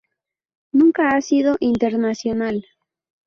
Nunca ha sido internacional.